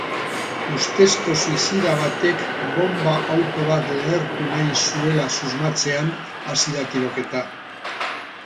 Ustezko suizida batek bonba-auto bat lehertu nahi zuela susmatzean hasi da tiroketa.